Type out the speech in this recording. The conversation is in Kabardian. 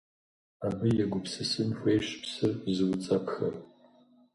Абы егупсысын хуейщ псыр зыуцӀэпӀхэр.